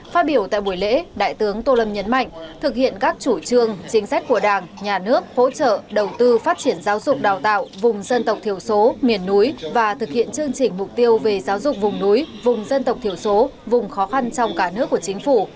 phát biểu tại buổi lễ đại tướng tô lâm nhấn mạnh thực hiện các chủ trương chính sách của đảng nhà nước hỗ trợ đầu tư phát triển giáo dục đào tạo vùng dân tộc thiểu số miền núi và thực hiện chương trình mục tiêu về giáo dục vùng núi vùng dân tộc thiểu số vùng khó khăn trong cả nước của chính phủ